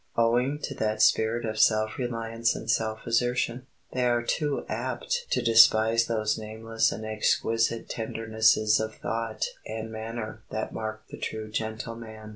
Owing to that spirit of self reliance and self assertion, they are too apt to despise those nameless and exquisite tendernesses of thought and manner that mark the true gentleman.